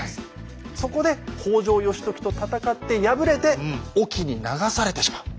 そこで北条義時と戦って敗れて隠岐に流されてしまう。